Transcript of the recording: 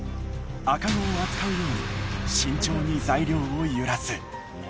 赤子を扱うように慎重に材料を揺らす。